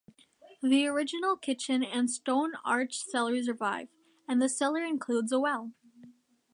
The original kitchen and stone-arched cellar survive, and the cellar includes a well.